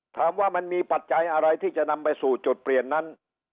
ถามว่ามันมีปัจจัยอะไรที่จะนำไปสู่จุดเปลี่ยนนั้น